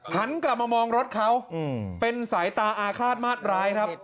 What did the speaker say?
หันกลับมามองรถเขาเป็นสายตาอาฆาตมาดร้ายครับ